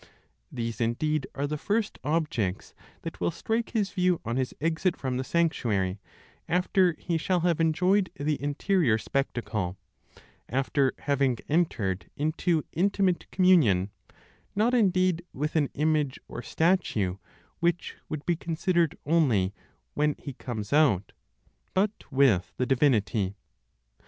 These indeed are the first objects that will strike his view on his exit from the sanctuary, after he shall have enjoyed the interior spectacle, after having entered into intimate communion, not indeed with an image or statue, which would be considered only when he comes out, but with the divinity.